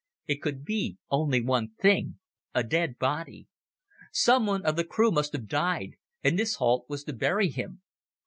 It could be only one thing—a dead body. Someone of the crew must have died, and this halt was to bury him.